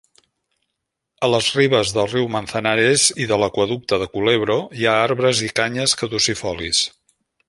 A les ribes del riu Manzanares i de l'aqüeducte de Culebro hi ha arbres i canyes caducifolis.